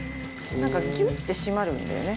なんかキュッて締まるんだよね